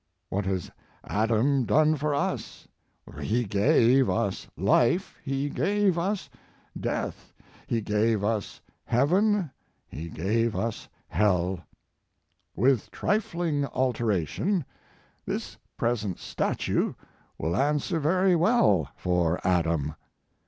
What has Adam done for us? He gave us life, he gave us death, he gave us heaven, he gave us hell. With trifling alteration, this present His Life and Work. statue will answer very well for Adam.